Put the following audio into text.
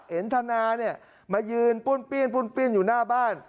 เห็นทนานี่มายืนปุ้นปิ้นอยู่หน้าบ้าน